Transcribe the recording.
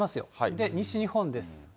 で、西日本です。